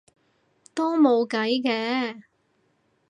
都冇計嘅